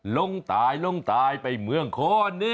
ลงตายลงตายไปเมืองคอน